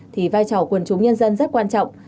thì vai trò quần chúng nhân dân rất quan trọng